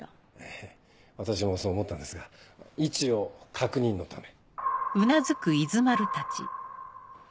ええ私もそう思ったんですが一応確認のため。